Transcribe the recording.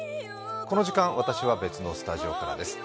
この時間、私は別のスタジオからです。